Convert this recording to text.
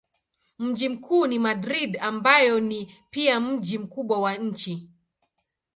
Mji mkuu ni Madrid ambayo ni pia mji mkubwa wa nchi.